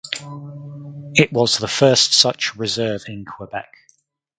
It was the first such reserve in Quebec.